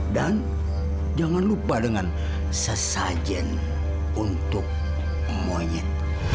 dan jangan lupa dengan sesajen untuk monyet